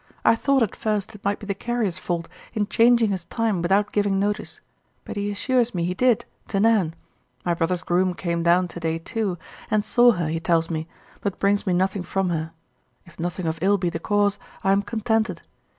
I thought at first it might be the carrier's fault in changing his time without giving notice, but he assures me he did, to Nan. My brother's groom came down to day, too, and saw her, he tells me, but brings me nothing from her; if nothing of ill be the cause, I am contented.